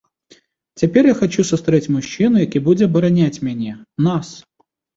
Цяпер я хачу сустрэць мужчыну, які будзе абараняць мяне, нас.